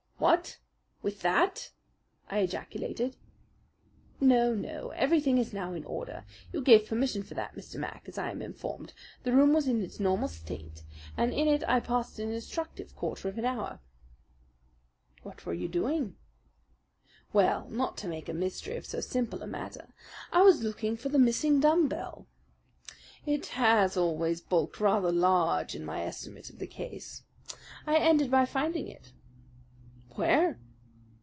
"What! With that?" I ejaculated. "No, no, everything is now in order. You gave permission for that, Mr. Mac, as I am informed. The room was in its normal state, and in it I passed an instructive quarter of an hour." "What were you doing?" "Well, not to make a mystery of so simple a matter, I was looking for the missing dumb bell. It has always bulked rather large in my estimate of the case. I ended by finding it." "Where?"